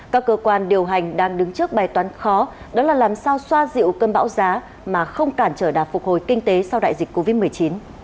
các cơ quan điều hành đang đứng trước bài toán khó đó là làm sao xoa dịu cơn bão giá mà không cản trở đạt phục hồi kinh tế sau đại dịch covid một mươi chín